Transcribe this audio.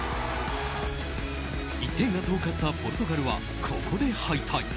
１点が遠かったポルトガルはここで敗退。